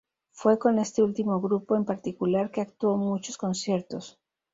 Fue con este último grupo, en particular, que actuó muchos conciertos.